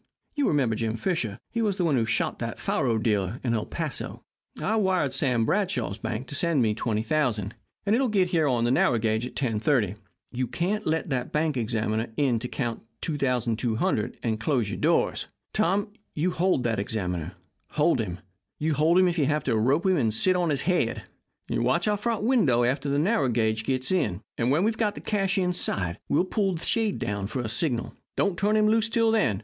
You remember Jim Fisher he was the one who shot that faro dealer in El Paso. I wired Sam Bradshaw's bank to send me $20,000, and it will get in on the narrow gauge at 10.35. You can't let a bank examiner in to count $2,200 and close your doors. Tom, you hold that examiner. Hold him. Hold him if you have to rope him and sit on his head. Watch our front window after the narrow gauge gets in, and when we've got the cash inside we'll pull down the shade for a signal. Don't turn him loose till then.